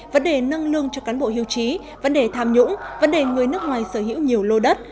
vấn đề nâng lương cho cán bộ hưu trí vấn đề tham nhũng vấn đề người nước ngoài sở hữu nhiều lô đất